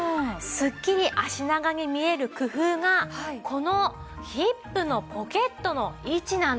スッキリ足長に見える工夫がこのヒップのポケットの位置なんです。